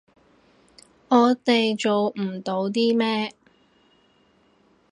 我哋做唔到啲咩